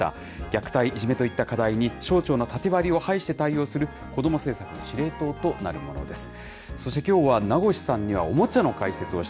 虐待、いじめといった課題に、省庁の縦割りを排して対応する、こども政策の司令塔となるものです。